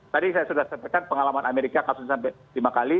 tadi saya sudah sampaikan pengalaman amerika kasusnya sampai lima kali